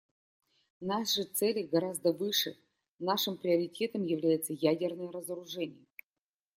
Наши цели гораздо выше, нашим приоритетом является ядерное разоружение.